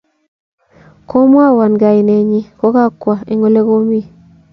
Komwowan kainet nyin kokakwo eng ole kokimi